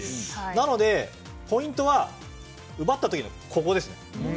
なので、ポイントは奪った時の、ここですね。